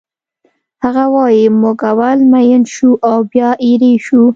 هغه وایی موږ اول مین شو او بیا ایرې شو